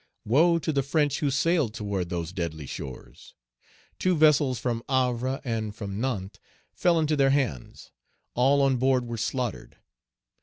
Woe to the French who sailed toward those deadly shores. Two vessels from Havre and from Nantes fell into their hands. All on board were slaughtered.